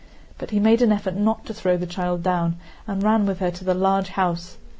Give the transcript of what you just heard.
But he made an effort not to throw the child down and ran with her to the large house.